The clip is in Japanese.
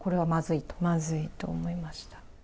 まずいと思いました。